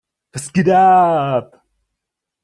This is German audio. Was geht ab?